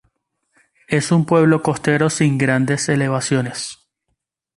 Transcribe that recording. Es un pueblo costero sin grandes elevaciones.